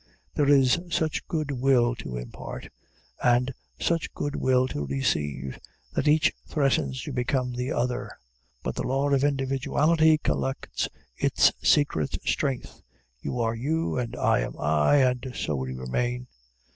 There is such good will to impart, and such good will to receive, that each threatens to become the other; but the law of individuality collects its secret strength: you are you, and I am I, and so we remain.